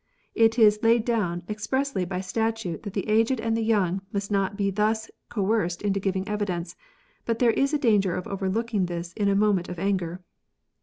[It is laid down expressly by statute that the aged and the young must not be thus coerced into giving evidence, but there is a danger of overlooking this in a moment of anger.